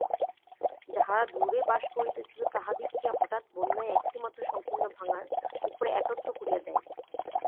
যাহারা দূরে বাস করিতেছিল তাহাদিগকে হঠাৎ-বন্যায় একটিমাত্র সংকীর্ণ ডাঙার উপরে একত্র করিয়া দেয়।